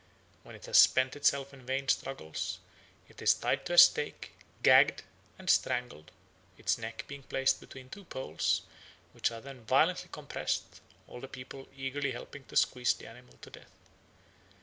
When it has spent itself in vain struggles, it is tied up to a stake, gagged and strangled, its neck being placed between two poles, which are then violently compressed, all the people eagerly helping to squeeze the animal to death.